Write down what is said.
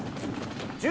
１０？